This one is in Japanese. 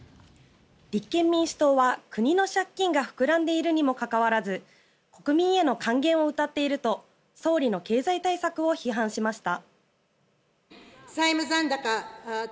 立憲民主党は、国の借金が膨らんでいるにもかかわらず国民への還元をうたっていると総理の経済対策を批判しました。